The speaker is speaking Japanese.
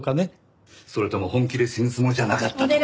それとも本気で死ぬつもりじゃなかったとか。